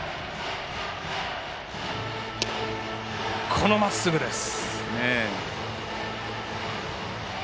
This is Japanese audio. このまっすぐです。